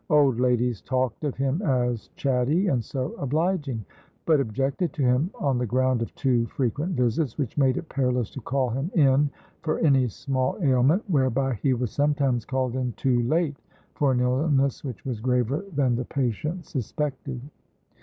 Old ladies talked of him as "chatty" and "so obliging"; but objected to him on the ground of too frequent visits, which made it perilous to call him in for any small ailment, whereby he was sometimes called in too late for an illness which was graver than the patient suspected.